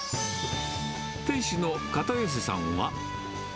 店主の片寄さんは。